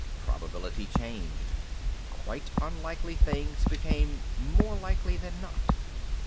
Probability changed. Quite unlikely things became more likely than not.